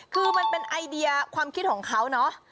คือมันเป็นไอเดียความคิดของเขาเนาะ